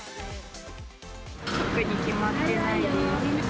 特に決まってないです。